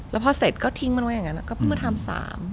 แล้วพอเสร็จก็ทิ้งมันไว้อย่างนั้นก็เพิ่งมาทำ๓